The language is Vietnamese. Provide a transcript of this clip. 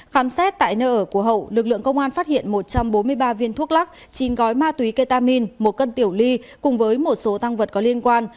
khám xét tại nơi ở của hậu lực lượng công an phát hiện một trăm bốn mươi ba viên thuốc lắc chín gói ma túy ketamin một cân tiểu ly cùng với một số tăng vật có liên quan